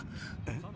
えっ？